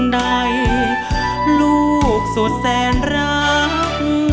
ในลูกสุดแสนรัก